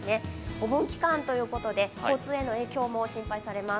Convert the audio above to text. お盆期間ということで、交通への影響も心配されます。